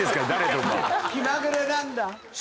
気まぐれなんだ。